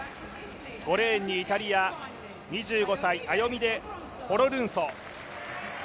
５レーンにイタリア、２５歳アヨミデ・フォロルンソ。